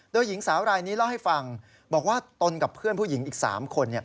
โดยหญิงสาวรายนี้เล่าให้ฟังบอกว่าตนกับเพื่อนผู้หญิงอีก๓คน